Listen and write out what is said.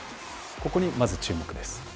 ここに、まず注目です。